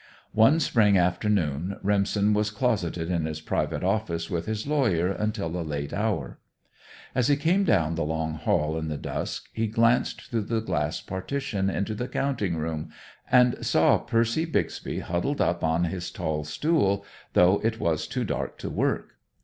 One spring afternoon Remsen was closeted in his private office with his lawyer until a late hour. As he came down the long hall in the dusk he glanced through the glass partition into the counting room, and saw Percy Bixby huddled up on his tall stool, though it was too dark to work.